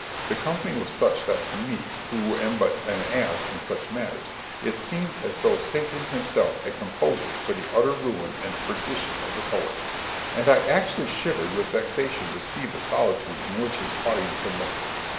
The comedy was such that to me, who am but an ass in such matters, it seemed as though Satan himself had composed it for the utter ruin and perdition of the poet; and I actually shivered with vexation to see the solitude in which his audience had left him.